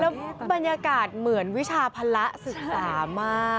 แล้วบรรยากาศเหมือนวิชาภาระศึกษามาก